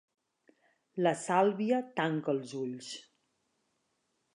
La Sàlvia tanca els ulls.